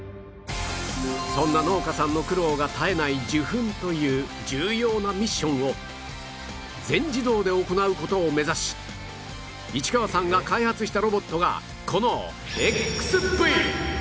そんな農家さんの苦労が絶えない受粉という重要なミッションを全自動で行う事を目指し市川さんが開発したロボットがこの ＸＶ！